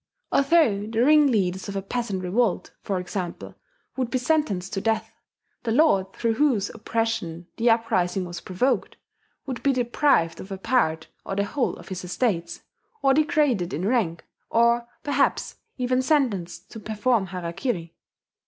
Although the ring leaders of a peasant revolt, for example, would be sentenced to death, the lord through whose oppression the uprising was provoked, would be deprived of a part or the whole of his estates, or degraded in rank, or perhaps even sentenced to perform harakiri.